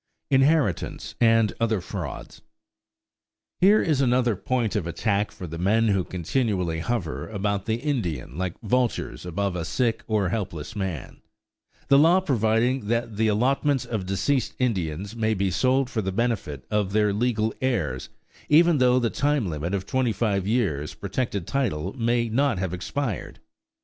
INHERITANCE AND OTHER FRAUDS Here is another point of attack for the men who continually hover about the Indian like vultures above a sick or helpless man the law providing that the allotments of deceased Indians may be sold for the benefit of their legal heirs, even though the time limit of twenty five years protected title may not have expired.